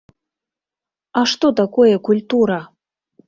А што такое культура?